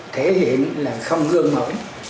thể hiện là không gương mẫu